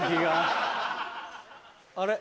あれ？